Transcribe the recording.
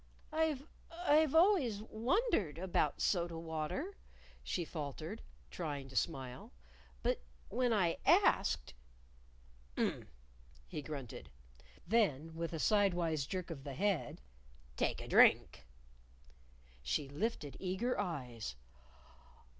"I've I've always wondered about soda water," she faltered, trying to smile. "But when I asked " "Um!" he grunted; then, with a sidewise jerk of the head, "Take a drink." She lifted eager eyes.